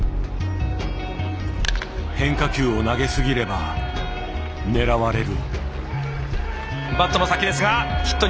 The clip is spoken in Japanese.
変化球を投げすぎれば狙われる。